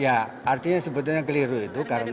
ya artinya sebetulnya keliru itu karena